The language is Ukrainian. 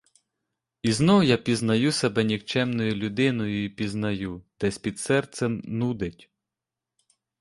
І знову я пізнаю себе нікчемною людиною й пізнаю: десь під серцем нудить.